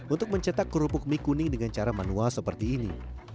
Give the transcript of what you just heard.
untuk mencetak kerupuk mie kuning dengan cara manual seperti ini